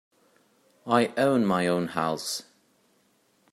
I own my own house.